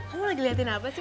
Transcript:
kamu lagi liatin apa sih